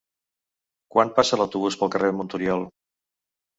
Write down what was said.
Quan passa l'autobús pel carrer Monturiol?